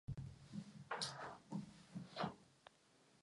Je vdaná a žije s rodinou v Kalifornii.